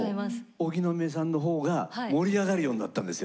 荻野目さんの方が盛り上がるようになったんですよ。